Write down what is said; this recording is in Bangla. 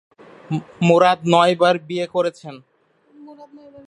মুরাদ নয়বার বিয়ে করেছেন।